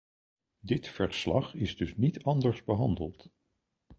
Dit verslag is dus niet anders behandeld.